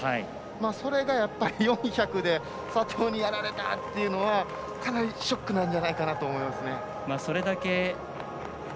それがやっぱり４００で佐藤にやられた！っていうのはかなりショックなんじゃないかなと思いますね。